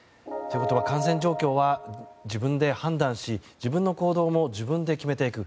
感染状況は自分で判断し自分の行動も自分で決めていく。